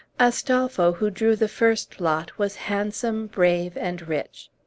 Astolpho, who drew the first lot, was handsome, brave, and rich.